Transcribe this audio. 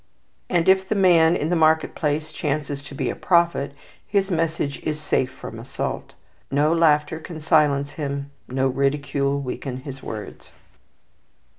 And if the man in the market place chances to be a prophet, his message is safe from assault. No laughter can silence him, no ridicule weaken his words.